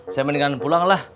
saya mendingan pulang lah